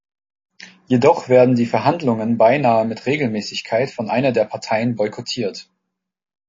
Jedoch werden die Verhandlungen beinahe mit Regelmäßigkeit von einer der Parteien boykottiert.